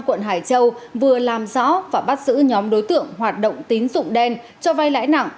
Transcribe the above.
quận hải châu vừa làm rõ và bắt giữ nhóm đối tượng hoạt động tín dụng đen cho vay lãi nặng